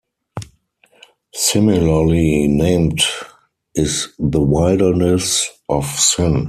Similarly named is the "Wilderness of Sin".